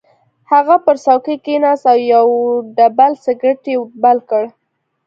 هغه پر څوکۍ کېناست او یو ډبل سګرټ یې بل کړ